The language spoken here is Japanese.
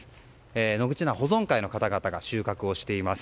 野口菜保存会の方々が収穫をしています。